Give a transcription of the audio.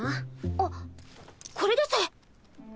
あっこれです。